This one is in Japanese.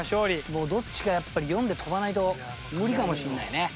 もうどっちかやっぱり読んで跳ばないと無理かもしれないよね。